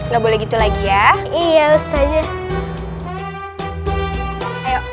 lo boleh gitu lagi ya iya ustazah